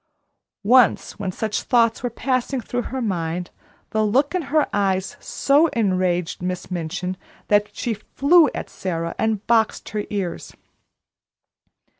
Once when such thoughts were passing through her mind the look in her eyes so enraged Miss Minchin that she flew at Sara and boxed her ears.